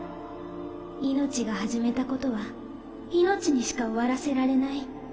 命が始めたことは命にしか終わらせられない。